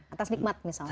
atas nikmat misalnya ya